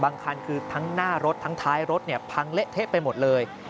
คันคือทั้งหน้ารถทั้งท้ายรถพังเละเทะไปหมดเลย